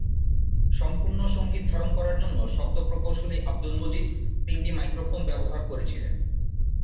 সম্পূর্ণ সঙ্গীত ধারণ করার জন্য শব্দ প্রকৌশলী আব্দুল মজিদ তিনটি মাইক্রোফোন ব্যবহার করেছিলেন।